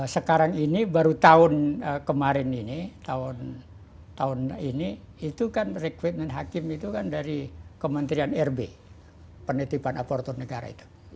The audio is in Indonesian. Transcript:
sekarang ini baru tahun kemarin ini tahun ini itu kan rekrutmen hakim itu kan dari kementerian rb penitipan aparatur negara itu